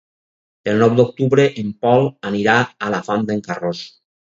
El nou d'octubre en Pol anirà a la Font d'en Carròs.